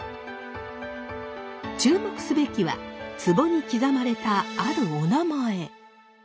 注目すべきはつぼに刻まれたあるおなまえ。